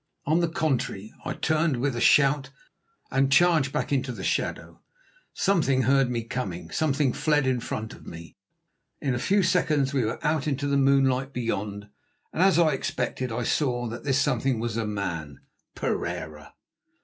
On the contrary, I turned with a shout, and charged back into the shadow. Something heard me coming, something fled in front of me. In a few seconds we were out into the moonlight beyond, and, as I expected, I saw that this something was a man—Pereira!